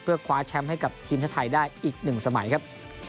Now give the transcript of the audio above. เพื่อคว้าแชมป์ให้กับทีมชาติไทยได้อีก๑สมัยครับ